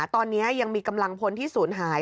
ตอนนี้ยังมีกำลังพลที่ศูนย์หาย